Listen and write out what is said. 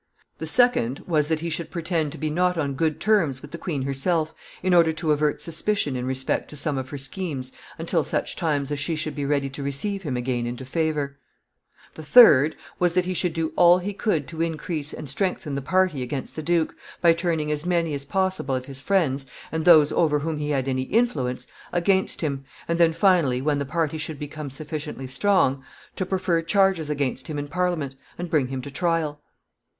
The second was that he should pretend to be not on good terms with the queen herself, in order to avert suspicion in respect to some of her schemes until such time as she should be ready to receive him again into favor. [Sidenote: Party against Gloucester.] The third was that he should do all he could to increase and strengthen the party against the duke, by turning as many as possible of his friends, and those over whom he had any influence, against him, and then finally, when the party should become sufficiently strong, to prefer charges against him in Parliament, and bring him to trial.